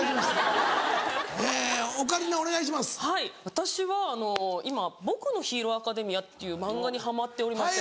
私は今『僕のヒーローアカデミア』っていう漫画にハマっておりまして。